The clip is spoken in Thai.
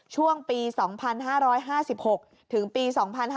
ช่วงปี๒๕๕๖ถึงปี๒๕๕๙